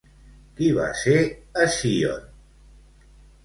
Qui va ser Hesíone?